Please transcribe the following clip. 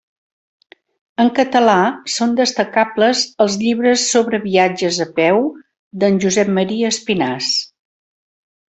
En català, són destacables els llibres sobre viatges a peu d'en Josep Maria Espinàs.